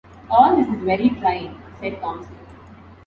"All this is very trying," said Thomson.